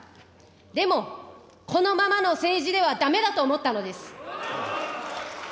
でも、このままの政治ではだめだと思ったのです。